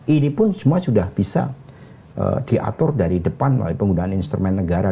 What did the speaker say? ini pun semua sudah bisa diatur dari depan melalui penggunaan instrumen negara